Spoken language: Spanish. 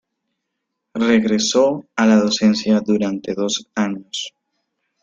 Regresó a la docencia durante dos años.